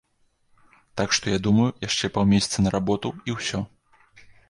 Так што я думаю, яшчэ паўмесяцы на работу, і ўсё.